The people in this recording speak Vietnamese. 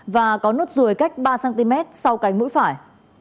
và có nốt ruồi cách ba cm sau cánh mũi phải